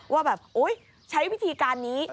ว่าแบบใช้วิธีการนี้